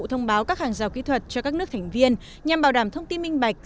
thông báo các hàng rào kỹ thuật cho các nước thành viên nhằm bảo đảm thông tin minh bạch